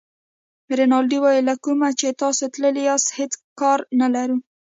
رینالډي وویل له کومه چې تاسي تللي یاست هېڅ کار نه لرو.